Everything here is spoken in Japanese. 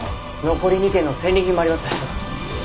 残り２件の戦利品もあります！